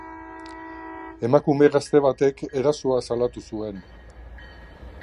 Emakume gazte batek erasoa salatu zuen.